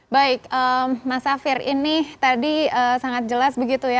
baik mas safir ini tadi sangat jelas begitu ya